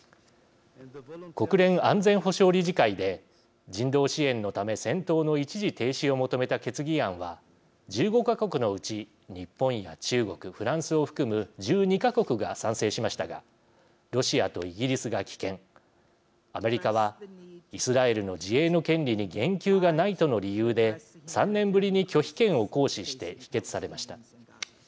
国連安全保障理事会で人道支援のため戦闘の一時停止を求めた決議案は１５か国のうち日本や中国フランスを含む１２か国が賛成しましたがロシアとイギリスが棄権アメリカはイスラエルの自衛の権利に言及がないとの理由で３年ぶりに拒否権を行使して否決されました。